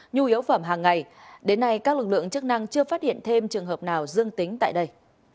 nhu yếu phẩm hàng ngày đến nay các lực lượng chức năng chưa phát hiện thêm trường hợp nào dương tính tại đây